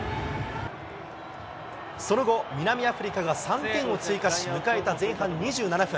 その後、南アフリカが３点を追加し、迎えた前半２７分。